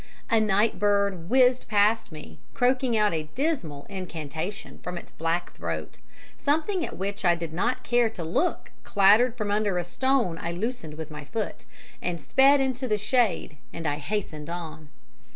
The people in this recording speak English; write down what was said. A night bird whizzed past me, croaking out a dismal incantation from its black throat; something at which I did not care to look clattered from under a stone I loosened with my foot, and sped into the shade, and I hastened on.